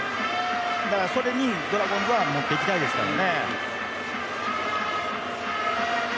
それにドラゴンズは持っていきたいですからね。